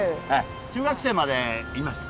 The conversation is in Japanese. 中学生までいました。